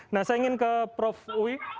nah saya ingin ke prof uy